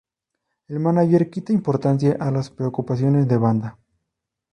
El mánager quita importancia a las preocupaciones de banda.